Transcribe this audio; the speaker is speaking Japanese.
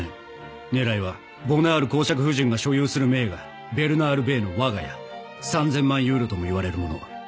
狙いはボナール侯爵夫人が所有する名画ベルナール・ベーの『我が家』３，０００万ユーロともいわれるもの。